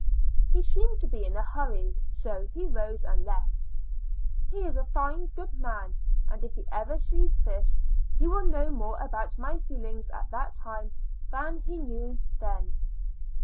He seemed to be in a hurry, so he rose and left. He is a fine and good man, and if he ever sees this, he will know more about mv feelino^s at that time than he then knew.